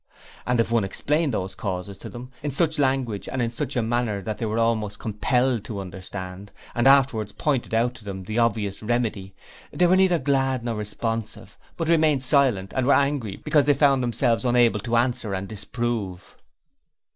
And if one explained those causes to them in such language and in such a manner that they were almost compelled to understand, and afterwards pointed out to them the obvious remedy, they were neither glad nor responsive, but remained silent and were angry because they found themselves unable to answer and disprove.